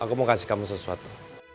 aku mau kasih kamu sesuatu